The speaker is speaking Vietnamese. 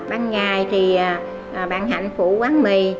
ban ngày thì bạn hạnh phụ bán mì